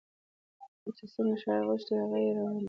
او چې څنګه شاعر غوښتي هغسې يې وړاندې کړې